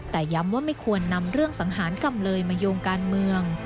แต่ย้ำว่าไม่ควรนำเรื่องสังหารจำเลยมาโยงการเมือง